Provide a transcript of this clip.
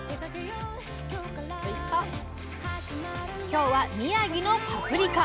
今日は宮城のパプリカ！